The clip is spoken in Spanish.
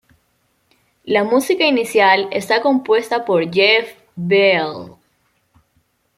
La música inicial está compuesta por Jeff Beal.